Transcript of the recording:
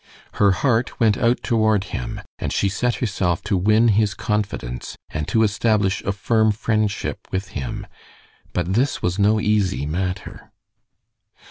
Her heart went out toward him, and she set herself to win his confidence and to establish a firm friendship with him; but this was no easy matter.